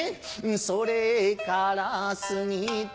それから過ぎた